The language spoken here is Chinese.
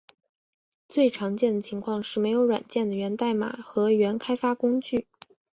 最常见的情况是没有软件的源代码和原开发工具。